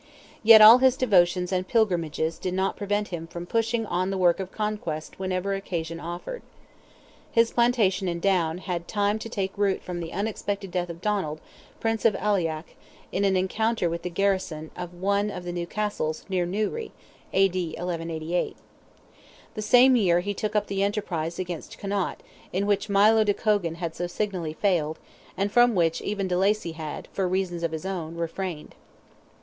Yet all his devotions and pilgrimages did not prevent him from pushing on the work of conquest whenever occasion offered. His plantation in Down had time to take root from the unexpected death of Donald, Prince of Aileach, in an encounter with the garrison of one of the new castles, near Newry. (A.D. 1188.) The same year he took up the enterprise against Connaught, in which Milo de Cogan had so signally failed, and from which even de Lacy had, for reasons of his own, refrained.